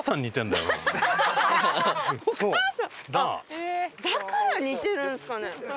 だから似てるんですかね？